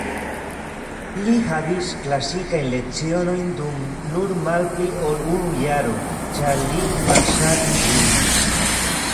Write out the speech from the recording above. Li havis klasikajn lecionojn dum nur malpli ol unu jaro ĉar li malŝatis ĝin.